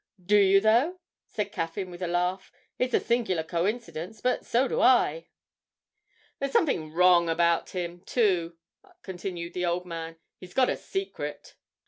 'Do you though?' said Caffyn with a laugh; 'it's a singular coincidence, but so do I.' 'There's something wrong about him, too,' continued the old man; 'he's got a secret.'